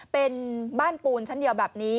เป็นบ้านปูนชั้นเดียวแบบนี้